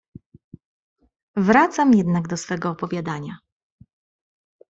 "Wracam jednak do swego opowiadania."